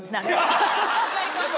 ハハハ。